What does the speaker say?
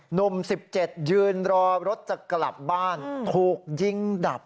หนุ่ม๑๗ยืนรอรถจะกลับบ้านถูกยิงดับ